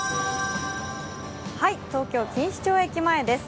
東京・錦糸町駅前です。